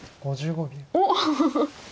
おっ！